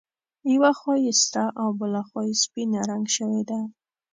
یوه خوا یې سره او بله خوا یې سپینه رنګ شوې ده.